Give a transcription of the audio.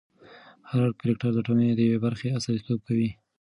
هر کرکټر د ټولنې د یوې برخې استازیتوب کوي.